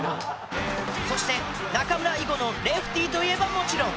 そして中村以後のレフティといえばもちろん。